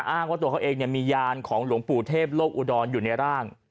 อ้างว่าตัวเขาเองมียานของหลวงปู่เทพโลกอุดรอยู่ในร่าง